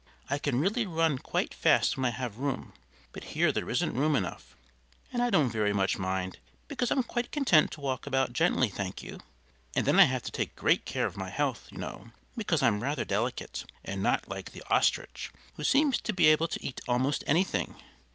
I can really run quite fast when I have room, but here there isn't room enough; and I don't very much mind, because I'm quite content to walk about gently, thank you. And then I have to take great care of my health, you know, because I'm rather delicate and not like the Ostrich, who seems to be able to eat almost anything.